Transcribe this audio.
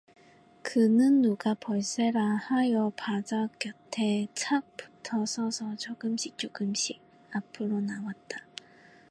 그는 누가 볼세라 하여 바자 곁에 착 붙어 서서 조금씩 조금씩 앞으로 나왔다.